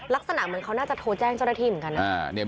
ลักษณะเหมือนเขาน่าจะโทรแจ้งเจ้าหน้าที่เหมือนกันนะ